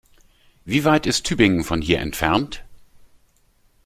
Wie weit ist Tübingen von hier entfernt?